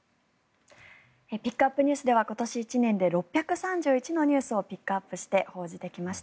ピックアップＮＥＷＳでは今年１年で６３１のニュースをピックアップして報じてきました。